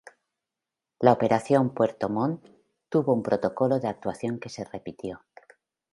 La operación "Puerto Montt" tuvo un protocolo de actuación que se repitió.